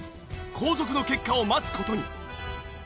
後続の結果を待つ事に。